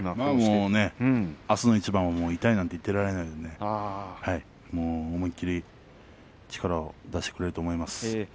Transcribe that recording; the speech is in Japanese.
あすの一番は痛いって言っていられないので思い切り、力を出してくれると思います。